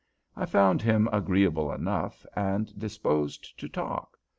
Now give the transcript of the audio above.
I found him agreeable enough, and disposed to talk.